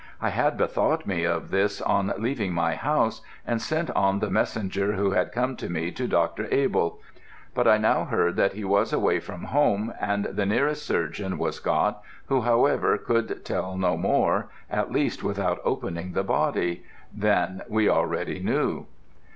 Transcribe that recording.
I had bethought me of this on leaving my house, and sent on the messenger who had come to me to Dr. Abell; but I now heard that he was away from home, and the nearest surgeon was got, who however could tell no more, at least without opening the body, than we already knew.